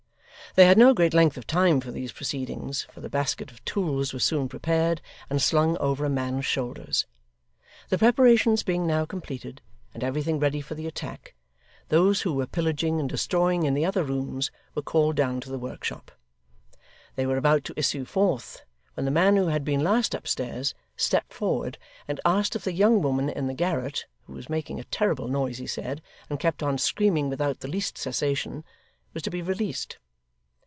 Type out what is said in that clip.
They had no great length of time for these proceedings, for the basket of tools was soon prepared and slung over a man's shoulders. The preparations being now completed, and everything ready for the attack, those who were pillaging and destroying in the other rooms were called down to the workshop. They were about to issue forth, when the man who had been last upstairs, stepped forward, and asked if the young woman in the garret (who was making a terrible noise, he said, and kept on screaming without the least cessation) was to be released?